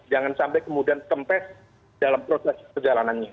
jangan sampai kemudian kempes dalam proses perjalanannya